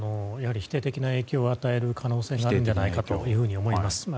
やはり否定的な影響を与える可能性があるんじゃないかというふうに思います。